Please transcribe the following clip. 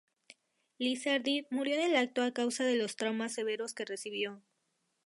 Lizardi murió en el acto a causa de los traumas severos que recibió.